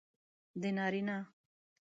د نارینه